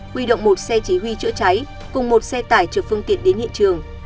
quy động một xe chỉ huy chữa cháy cùng một xe tải trực phương tiện đến hiện trường